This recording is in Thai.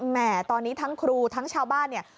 แหมตอนนี้ทั้งครูทั้งชาวบ้านเนี่ย